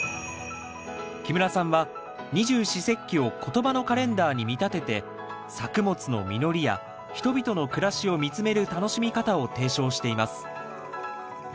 木村さんは二十四節気を言葉のカレンダーに見立てて作物の実りや人々の暮らしを見つめる楽しみ方を提唱しています